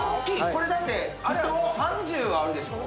これだって３０はあるでしょう？